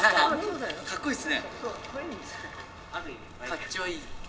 かっちょいい。